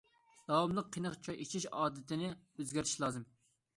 داۋاملىق قېنىق چاي ئىچىش ئادىتىنى ئۆزگەرتىش لازىم.